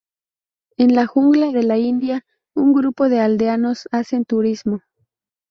En la jungla de la India, un grupo de aldeanos hacen turismo.